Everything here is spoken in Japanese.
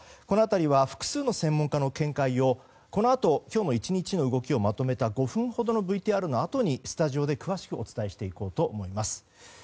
この辺りは複数の専門家の見解をこのあと、今日の１日の動きをまとめた５分ほどのＶＴＲのあとにスタジオで詳しくお伝えします。